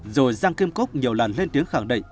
rồi giang kim cốc nhiều lần lên tiếng khẳng định